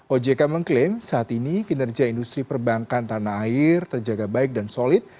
ojk mengklaim saat ini kinerja industri perbankan tanah air terjaga baik dan solid